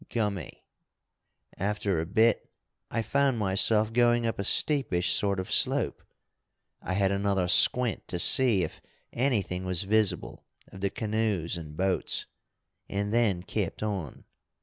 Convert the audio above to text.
Gummy! After a bit, I found myself going up a steepish sort of slope. I had another squint to see if anything was visible of the canoes and boats, and then kept on.